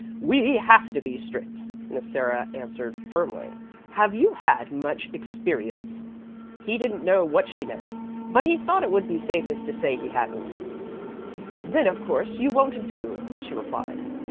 "'We have to be strict,' Miss Sarah answered firmly. 'Have you had much experience?' "He didn't know what she meant, but he thought it would be safest to say he hadn't. "'Then of course you won't do,' she replied.